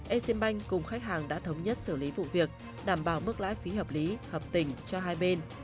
exim bank cùng khách hàng đã thống nhất xử lý vụ việc đảm bảo mức lãi phí hợp lý hợp tình cho hai bên